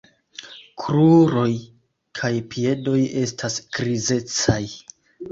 Kruroj kaj piedoj estas grizecaj.